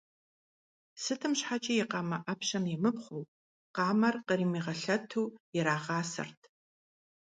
Сытым щхьэкӀи и къамэ Ӏэпщэ емыпхъуэу, къамэр къримыгъэлъэту ирагъасэрт.